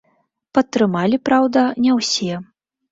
Падтрымалі, праўда, не ўсе.